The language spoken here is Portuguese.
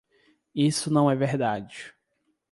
Isso não é verdade.